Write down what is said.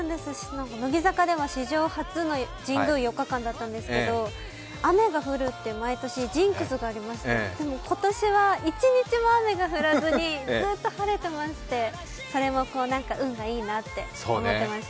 乃木坂では史上初の神宮４日間だったんですけど、雨が降るって毎年ジンクスがありまして、今年は一日も雨が降らずにずっと晴れていましてそれも運がいいなって思ってました。